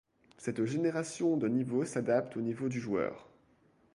Cette génération de niveaux s'adapte au niveau du joueur.